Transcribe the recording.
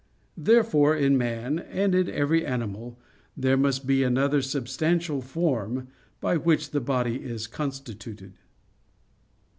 Therefore in man and in every animal there must be another substantial form, by which the body is constituted.